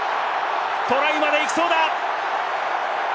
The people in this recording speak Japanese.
トライまでいきそうだ！